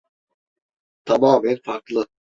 Tamamen farklı.